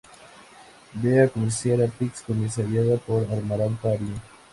Be a commercial artist" comisariada por Amaranta Ariño.